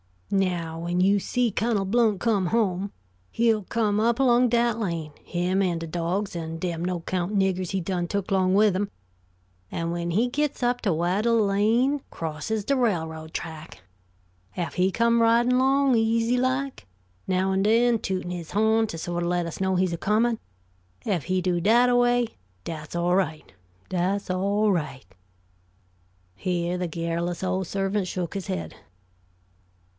"Now, when you see Cunnel Blount come home, he'll come up along dat lane, him an' de dogs, an' dem no 'count niggers he done took 'long with him; an' when he gits up to whah de lane crosses de railroad track, ef he come' ridin' 'long easy like, now an' den tootin' his hawn to sort o' let us know he's a comin' ef he do dat a way, dat's all right, dat's all right." Here the garrulous old servant shook his head.